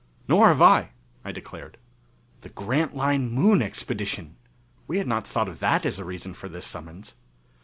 "Nor have I!" I declared. The Grantline Moon Expedition! We had not thought of that as a reason for this summons.